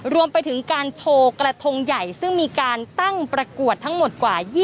รวมไปถึงการโชว์กระทงใหญ่ซึ่งมีการตั้งประกวดทั้งหมดกว่า